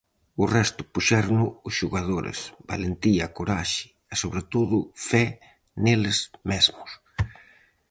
O resto puxérono os xogadores, valentía, coraxe e sobre todo fe neles mesmos.